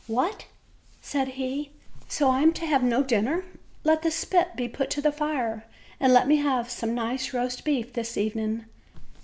"What!" said he, "so I am to have no dinner! Let the spit be put to the fire, and let me have some nice roast meat this evening."